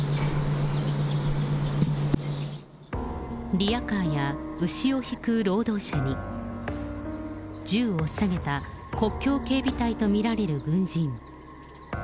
リヤカーや牛を引く労働者に、銃を提げた国境警備隊と見られる軍人。